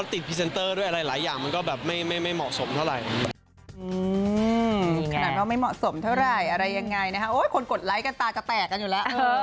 ติดพรีเซนเตอร์ด้วยหลายอย่างมันก็แบบไม่เหมาะสมเท่าไหร่